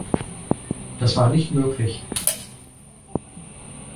Das war nicht möglich.